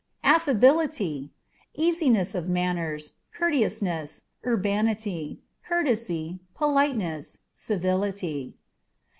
Affabilityâ€" easiness of manners, courteousness, urbanity, courtesy, politeness, civility.